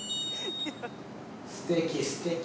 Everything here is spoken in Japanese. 「すてきすてき」。